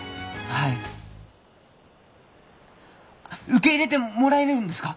受け入れてもらえるんですか？